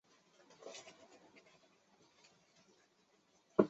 两人在京城遭尚膳监总管海大富擒进宫中。